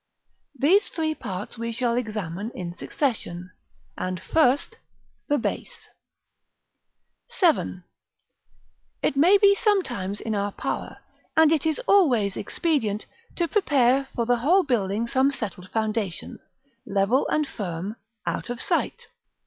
These three parts we shall examine in succession; and, first, the Base. § VII. It may be sometimes in our power, and it is always expedient, to prepare for the whole building some settled foundation, level and firm, out of sight.